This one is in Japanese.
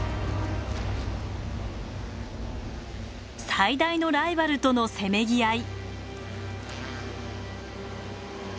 最大のライバルとのせめぎ合い。